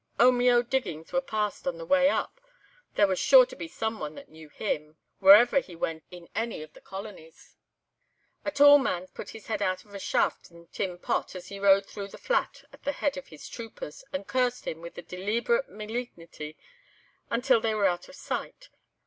"Omeo diggings were passed on the way up. There was sure to be some one that knew him, wherever he went in any of the colonies. "A tall man put his head out of a shaft on 'Tin Pot' as he rode through the Flat at the head of his troopers, and cursed him with deleeberate maleegnity until they were out of sight.